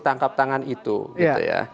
tangkap tangan itu ya